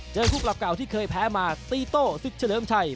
คู่เก่าที่เคยแพ้มาตีโต้ศึกเฉลิมชัย